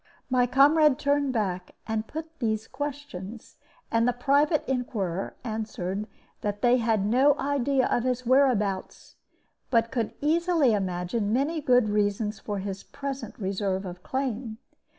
My comrade turned back, and put these questions; and the private inquirer answered that they had no idea of his whereabouts, but could easily imagine many good reasons for his present reserve of claim.